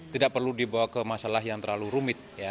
tidak perlu dibawa ke masalah yang terlalu rumit